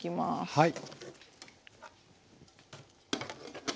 はい。